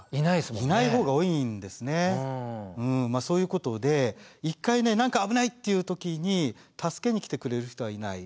そういうことで一回ね何か危ないっていう時に助けに来てくれる人はいない。